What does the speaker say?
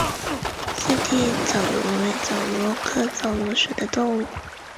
四带枣螺为枣螺科枣螺属的动物。